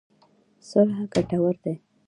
صلح ګټور دی.